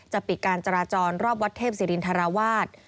ปิดการจราจรรอบวัดเทพศิรินทราวาส